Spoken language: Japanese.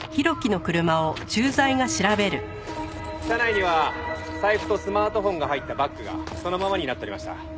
車内には財布とスマートフォンが入ったバッグがそのままになっとりました。